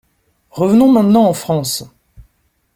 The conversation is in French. Revenons maintenant en France.